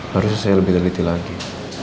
harusnya saya lebih teliti lagi